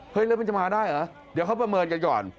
แล้วมันจะมาได้เหรอเดี๋ยวเขาประเมินกันก่อน